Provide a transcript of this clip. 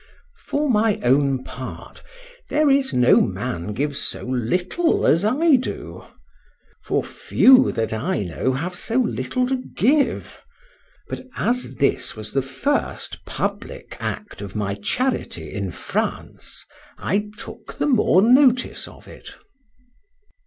For my own part, there is no man gives so little as I do; for few, that I know, have so little to give; but as this was the first public act of my charity in France, I took the more notice of it.